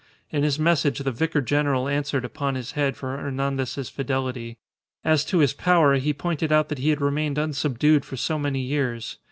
In his message the Vicar General answered upon his head for Hernandez's fidelity. As to his power, he pointed out that he had remained unsubdued for so many years.